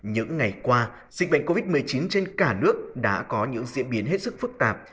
những ngày qua dịch bệnh covid một mươi chín trên cả nước đã có những diễn biến hết sức phức tạp